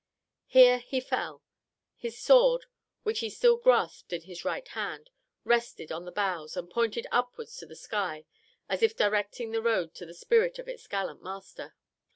Here he fell; his sword, which he still grasped in his right hand, rested on the boughs, and pointed upwards to the sky, as if directing the road to the spirit of its gallant master.